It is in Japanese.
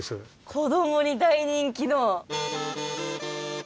子どもに大人気の。